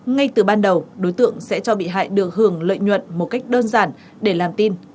ngay từ ban đầu đối tượng sẽ cho bị hại được hưởng lợi nhuận một cách đơn giản để làm tin